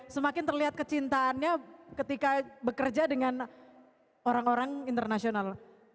semakin terlihat kecintaannya ketika bekerja dengan orang orang internasional